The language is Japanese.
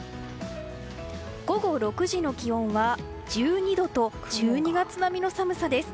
午後６時の気温は１２度と１２月並みの寒さです。